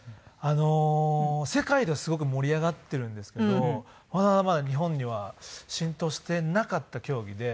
世界ではすごく盛り上がっているんですけどまだまだ日本には浸透していなかった競技で。